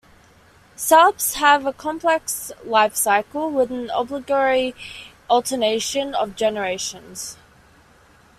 Salps have a complex life cycle, with an obligatory alternation of generations.